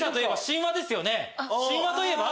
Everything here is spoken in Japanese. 神話といえば？